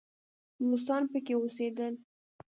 روسان به پکې اوسېدل.